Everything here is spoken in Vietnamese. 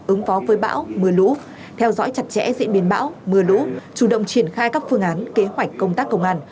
ứng phó với bão mưa lũ theo dõi chặt chẽ diễn biến bão mưa lũ chủ động triển khai các phương án kế hoạch công tác công an